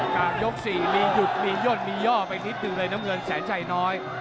กลางยก๔มีหยุดมีย่นมีย่อไปนิดนึงเลยน้ำเงินแสนชัยน้อย